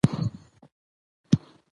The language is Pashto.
چې پخوا د ښځې په نامه ستايله کېدله